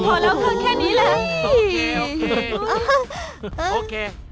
โอเคโอเค